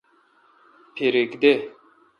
پھریک دہ۔